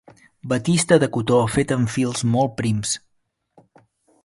Batista de cotó feta amb fils molt prims.